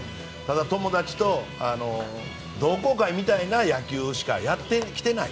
友達と同好会みたいな野球しかやってきてない。